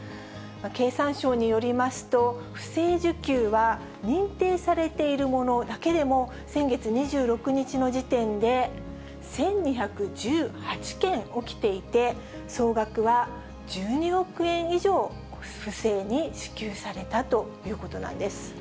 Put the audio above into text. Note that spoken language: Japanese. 経産省によりますと、不正受給は、認定されているものだけでも、先月２６日の時点で、１２１８件起きていて、総額は１２億円以上不正に支給されたということなんです。